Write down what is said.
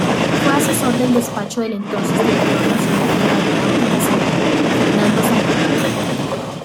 Fue asesor del despacho del entonces director nacional de la Aeronáutica Civil, Fernando Sanclemente.